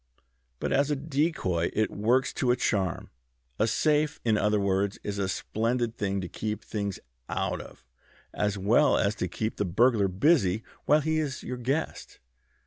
But as a decoy it works to a charm. A safe, in other words, is a splendid thing to keep things out of, as well as to keep the burglar busy while he is your guest.